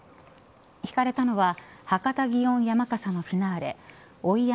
ひかれたのは博多祇園山笠のフィナーレ追い山